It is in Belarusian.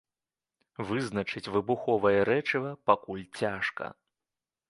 Вызначыць выбуховае рэчыва пакуль цяжка.